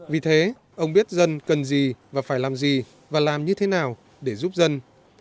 vì thế ông biết dân cần gì và phải làm gì và làm như thế nào để giúp dân